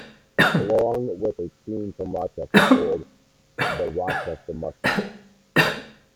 Along with a team from Rochester called the Rochester Mustangs.